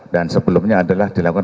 dan sebelumnya adalah dilakukan